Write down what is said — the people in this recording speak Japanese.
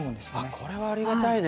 これはありがたいね。